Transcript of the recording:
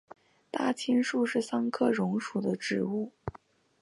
大青树是桑科榕属的植物。